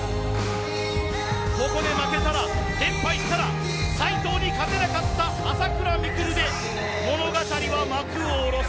ここで負けたら、連敗したら斎藤に勝てなかった朝倉未来で物語は幕を下ろす。